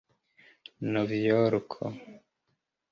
novjorko